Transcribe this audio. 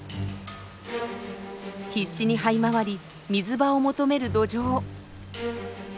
必死にはい回り水場を求めるドジョウ。